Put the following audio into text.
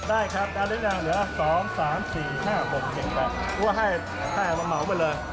ได้ครับอันนี้เนี่ยเหลือ๒๓๔๕๖๗๘อัวไห้อัวไห้อัวเหมาไปเลย